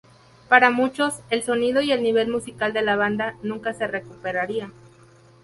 Para muchos, el sonido y el nivel musical de la banda nunca se recuperarían.